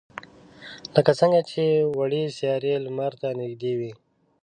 لکه څنگه چې وړې سیارې لمر ته نږدې وي.